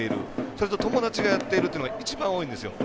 それと友達がやってるというのが一番多いんですよ。